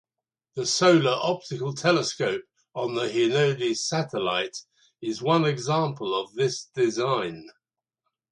The Solar Optical Telescope on the Hinode satellite is one example of this design.